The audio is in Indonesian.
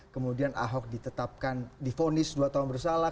kemudian ahok ditetapkan difonis dua tahun bersalah